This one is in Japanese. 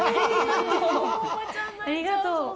ありがとう。